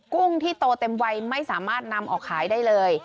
กุ้งที่โตเต็มวัยไม่สามารถนำออกขายได้เลย